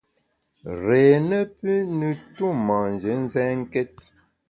Réé ne pü ne tu manjé nzènkét !